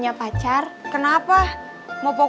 apa warnetpan selena